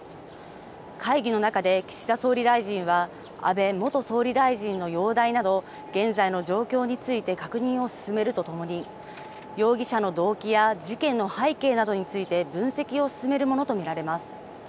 会議の中で岸田総理大臣は安倍元総理大臣の容体など現在の状況について確認を進めるとともに容疑者の動機や事件の背景などについて分析を進めるものと見られます。